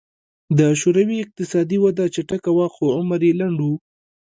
د شوروي اقتصادي وده چټکه وه خو عمر یې لنډ و